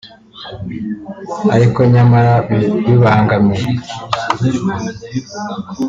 ariko nyamara bibangamye